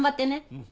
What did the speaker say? うん。